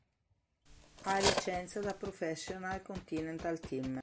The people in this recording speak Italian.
Ha licenza da Professional Continental Team.